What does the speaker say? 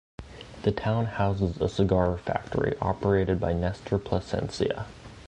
The town houses a cigar factory operated by Nestor Plasencia.